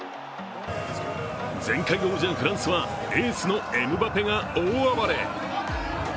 前回王者フランスはエースのエムバペが大暴れ。